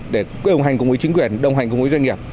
để đồng hành cùng với chính quyền đồng hành cùng với doanh nghiệp